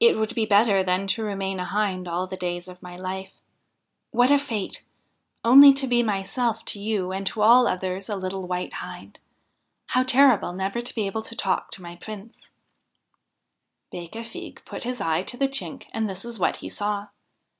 It would be better than to remain a Hind all the days of my life I What a fate I Only to be myself to you, and to all others a little White Hind ! How terrible never to be able to talk to my Prince 1 ' Becafigue put his eye to the chink and this is what he saw.